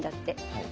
はい。